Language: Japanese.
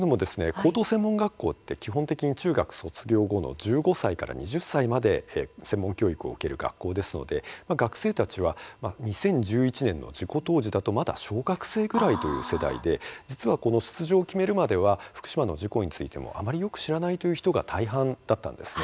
高等専門学校って基本的に中学卒業後の１５歳から２０歳まで専門教育を受ける学校ですので学生たちは２０１１年の事故当時だとまだ小学生ぐらいという世代で実はこの出場を決めるまでは福島の事故についてもあまりよく知らないという人が大半だったんですね。